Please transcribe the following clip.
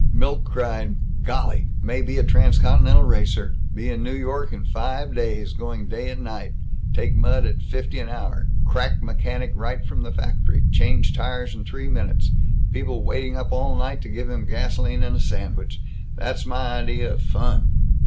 Milt cried, "Golly! May be a transcontinental racer! Be in New York in five days going night and day take mud at fifty an hour crack mechanic right from the factory change tires in three minutes people waiting up all night to give him gasoline and a sandwich! That's my idea of fun!"